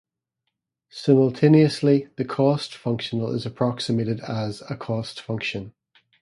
Simultaneously, the cost functional is approximated as a "cost function".